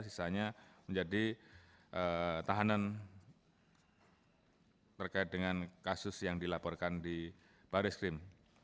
sisanya menjadi tahanan terkait dengan kasus yang dilaporkan di baris krim